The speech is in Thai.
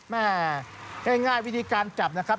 แม่ง่ายวิธีการจับนะครับ